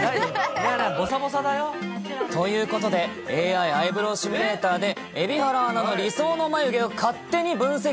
ぼさぼさだよ。ということで、ＡＩアイブローシミュレーターで、蛯原アナの理想の眉毛を勝手に分析。